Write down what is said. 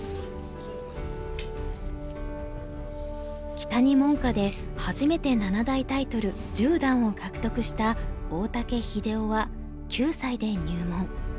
木谷門下で初めて七大タイトル十段を獲得した大竹英雄は９歳で入門。